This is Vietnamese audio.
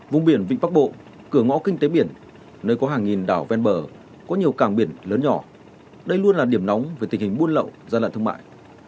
vùng biển vịnh bắc bộ cửa ngõ kinh tế biển nơi có hàng nghìn đảo ven bờ có nhiều càng biển lớn nhỏ đây luôn là điểm nóng về tình hình buôn lậu gian lận thương mại